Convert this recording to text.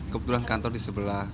kebetulan kantor di sebelah